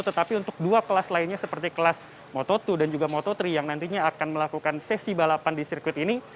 tetapi untuk dua kelas lainnya seperti kelas moto dua dan juga moto tiga yang nantinya akan melakukan sesi balapan di sirkuit ini